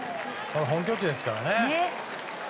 本拠地ですからね。